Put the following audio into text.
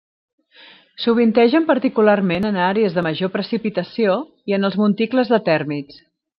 Sovintegen particularment en àrees de major precipitació i en els monticles de tèrmits.